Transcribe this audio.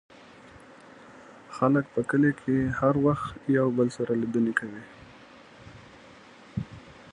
خلک په کلي کې هر وخت یو بل سره لیدنې کوي.